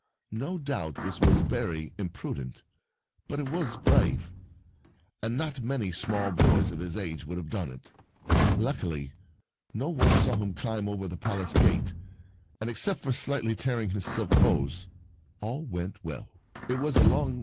No doubt this was very impru dent, but it was brave, and not many small boys of his age would have done it. Luckily, no one saw him climb over the Palace gate, and, except for slightly tearing his silk hose, all went well.